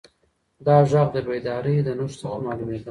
دا غږ د بیدارۍ د نښو څخه معلومېده.